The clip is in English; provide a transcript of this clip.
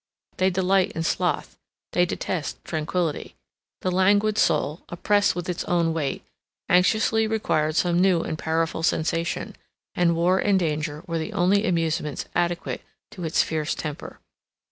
They delight in sloth, they detest tranquility. 30 The languid soul, oppressed with its own weight, anxiously required some new and powerful sensation; and war and danger were the only amusements adequate to its fierce temper.